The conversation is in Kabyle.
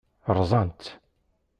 Rẓan-tt.